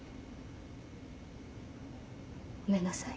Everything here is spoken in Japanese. ごめんなさい。